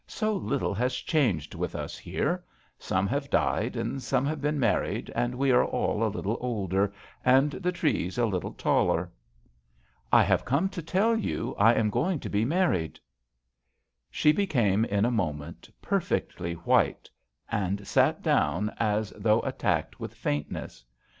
So little has changed with us here. Some have died and some have been married, and we are all a little older and the trees a little taller." " I have come to tell you I am going to be married/' She became in a moment perfectly white, and sat down as though attacked with faintness.